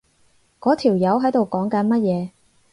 嗰條友喺度講緊乜嘢？